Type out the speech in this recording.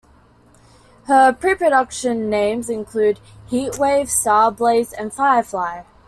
Her pre-production names included "Heatwave", "Starblaze", and "Firefly".